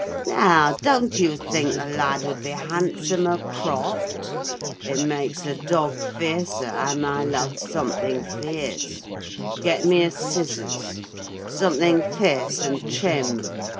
Now, don't you think the lad would be handsomer cropped? It makes a dog fiercer, and I love something fierce—get me a scissors—something fierce and trim!